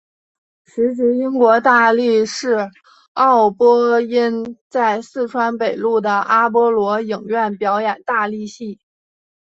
时值英国大力士奥皮音在四川北路的阿波罗影院表演大力戏。